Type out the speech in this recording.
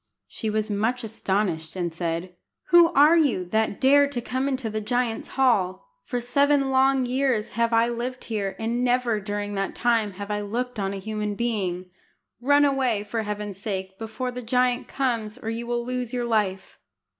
She was much astonished, and said "Who are you, that dare to come into the giant's hall? For seven long years have I lived here, and never during that time have I looked on a human being. Run away, for Heaven's sake, before the giant comes, or you will lose your life."